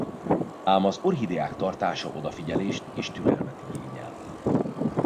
Ám az orchideák tartása odafigyelést és türelmet igényel.